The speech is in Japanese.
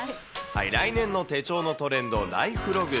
来年の手帳のトレンド、ライフログ。